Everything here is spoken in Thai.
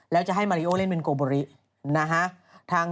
แล้วจะให้มาริโอเล่นเป็นโกโบรินะฮะ